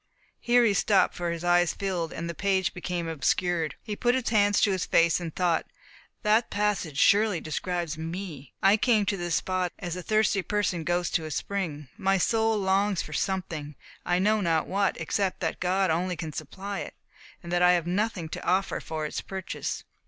Here he stopped, for his eyes filled, and the page became obscured. He put his hands to his face, and thought, "That passage surely describes me. I came to this spot as a thirsty person goes to a spring. My soul longs for something, I know not what, except that God only can supply it, and that I have nothing to offer for its purchase.